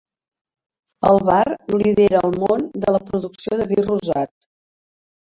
El Var lidera el món de la producció de vi rosat.